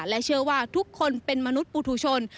และเชื่อว่าทุกคนเป็นมนุษย์ปูทูชน